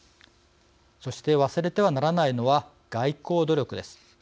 そして忘れてはならないのは外交努力です。